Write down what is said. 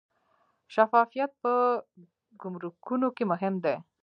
شفافیت په ګمرکونو کې مهم دی